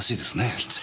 失礼。